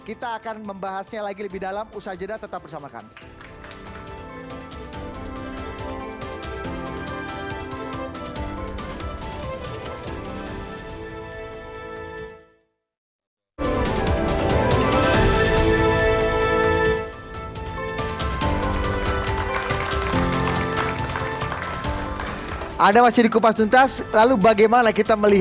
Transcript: kita akan membahasnya lagi lebih dalam usaha jeda tetap bersama kami